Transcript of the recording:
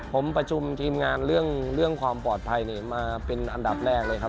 ผมประชุมทีมงานเรื่องความปลอดภัยมาเป็นอันดับแรกเลยครับ